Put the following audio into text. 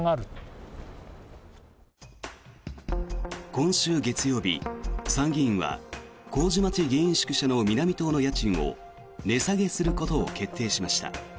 今週月曜日、参議院は麹町議員宿舎の南棟の家賃を値下げすることを決定しました。